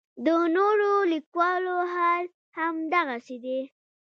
د نورو لیکوالو حال هم دغسې دی.